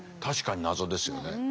確かに謎ですよね。